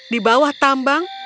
di bawah tambang